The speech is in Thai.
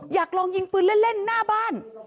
อยากลองยิงปืนเล่นหน้าบ้าน